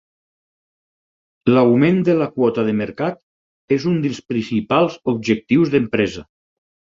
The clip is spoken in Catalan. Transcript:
L'augment de la quota de mercat és un dels principals objectius d'empresa.